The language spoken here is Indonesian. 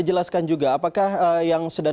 jelaskan juga apakah yang sedang